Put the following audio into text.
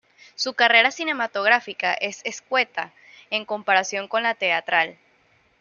Su carrera cinematográfica es escueta en comparación con la teatral.